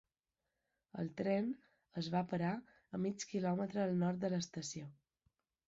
El tren es va parar a mig quilòmetre al nord de l'estació.